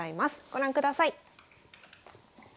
ご覧ください。